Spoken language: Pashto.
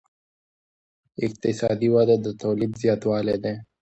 اقتصادي وده د تولید زیاتوالی دی.